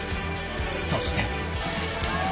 ［そして］